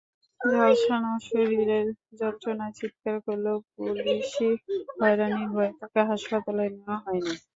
ঝলসানো শরীরের যন্ত্রণায় চিৎকার করলেও পুলিশি হয়রানির ভয়ে তাকে হাসপাতালে নেওয়া হয়নি।